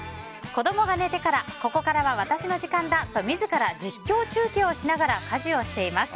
子供が寝てからここからが私の時間だと自ら実況中継をしながら家事をしています。